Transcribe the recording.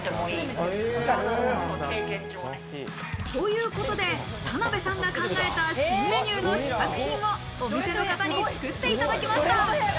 ということで田辺さんが考えた新メニューの試作品をお店の方に作っていただきました。